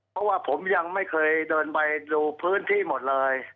เพราะว่าผมยังไม่เคยเดินไปดูพื้นที่หมดเลย